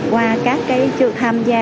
qua các cái chưa tham gia